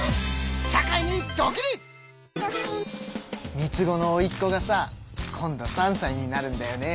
３つ子のおいっ子がさ今度３さいになるんだよね。